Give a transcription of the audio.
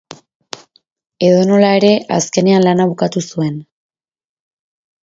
Edonola ere, azkenean lana bukatu zuen.